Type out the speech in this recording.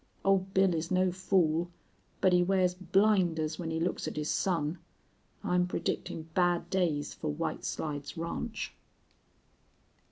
Old Bill is no fool. But he wears blinders when he looks at his son. I'm predictin' bad days fer White Slides Ranch."